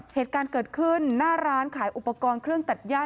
เหตุการณ์เกิดขึ้นหน้าร้านขายอุปกรณ์เครื่องตัดย่า